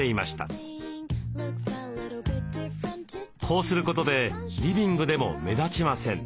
こうすることでリビングでも目立ちません。